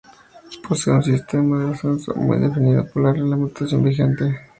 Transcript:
Posee un sistema de ascenso muy definido por la reglamentación vigente.